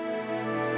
dia juga bisa berubah